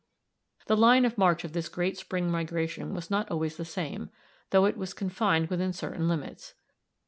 "The line of march of this great spring migration was not always the same, though it was confined within certain limits.